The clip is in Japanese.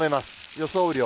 予想雨量。